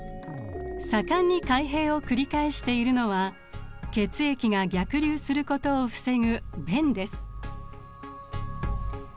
盛んに開閉を繰り返しているのは血液が逆流することを防ぐ弁です。